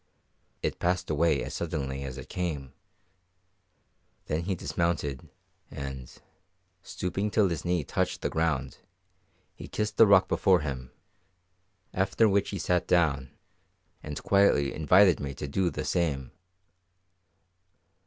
It passed away as suddenly as it came. Then he dismounted, and, stooping till his knee touched the ground, he kissed the rock before him, after which he sat down and quietly invited me to do the same.